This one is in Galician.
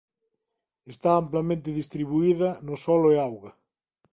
Está amplamente distribuída no solo e auga.